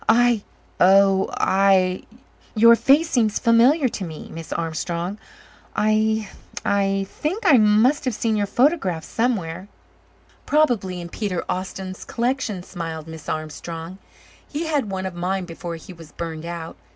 "I oh I your face seems familiar to me, Miss Armstrong. I I think I must have seen your photograph somewhere." "Probably in Peter Austin's collection," smiled Miss Armstrong. "He had one of mine before he was burned out.